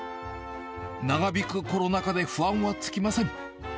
長引くコロナ禍で不安は尽きません。